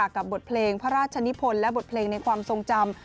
กับบทเพลงพระราชนิพลและบทเพลงในความทรงจำ